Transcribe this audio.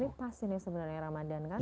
ini pas ini sebenarnya ramadan kan